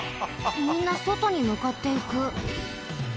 みんなそとにむかっていく。